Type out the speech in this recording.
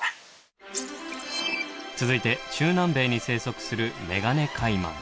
続いて中南米に生息するメガネカイマン。